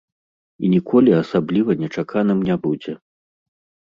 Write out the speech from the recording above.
І ніколі асабліва нечаканым не будзе.